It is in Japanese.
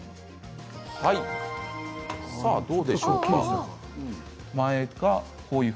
どうでしょうか？